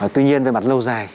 tuy nhiên về mặt lâu dài